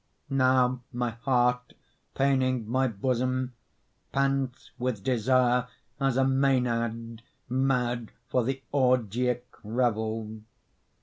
Now my heart, paining my bosom, Pants with desire as a mænad Mad for the orgiac revel.